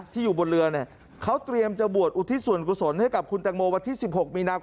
ที่อยู่บนเรือนี่เขาเตรียมจะบวชอุทธิสวรรคุณสน